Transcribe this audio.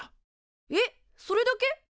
えっそれだけ？